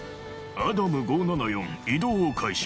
アダム５７４移動を開始